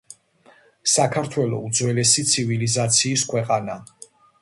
საქართველო უძველესი ცივილიზაციის ქვეყანა.